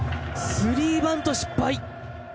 スリーバント失敗。